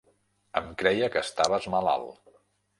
Em creia que estaves malalt.